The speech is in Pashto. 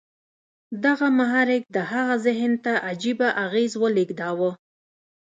دغه محرک د هغه ذهن ته عجيبه اغېز ولېږداوه.